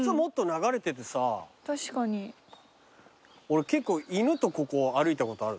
俺結構犬とここ歩いたことある。